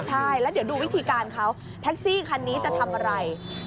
ใช่แล้วเดี๋ยวดูวิธีการเขาแท็กซี่คันนี้จะทำอะไร